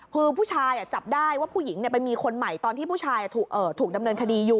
คือผู้ชายอ่ะจับได้ว่าผู้หญิงเนี้ยเป็นมีคนใหม่ตอนที่ผู้ชายอ่ะถูกเอ่อถูกดำเนินคดีอยู่